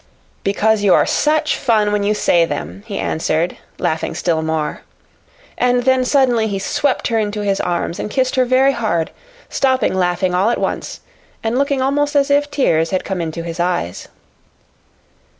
"Because you are such fun when you say them," he answered, laughing still more. And then suddenly he swept her into his arms and kissed her very hard, stopping laughing all at once and looking almost as if tears had come into his eyes.